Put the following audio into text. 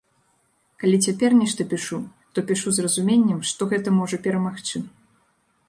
Калі цяпер нешта пішу, то пішу з разуменнем, што гэта можа перамагчы.